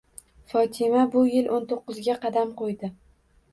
Fotima bu yil o'n to'qqizga qadam ko'ydi.